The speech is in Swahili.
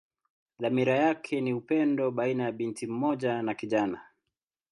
Dhamira yake ni upendo baina binti mmoja na kijana.